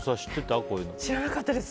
知らなかったです。